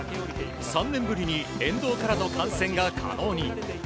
３年ぶりに沿道からの観戦が可能に。